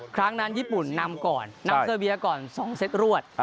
ครั้งนั้นญี่ปุ่นนำก่อนนำเซอร์เบียก่อน๒เซตรวด